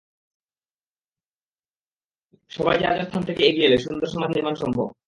সবাই যার যার স্থান থেকে এগিয়ে এলে সুন্দর সমাজ নির্মাণ সম্ভব।